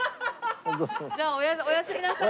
じゃあおやすみなさい。